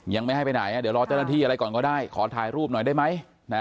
ยังไม่ให้ไปไหนเดี๋ยวรอเจ้าหน้าที่อะไรก่อนก็ได้ขอถ่ายรูปหน่อยได้ไหม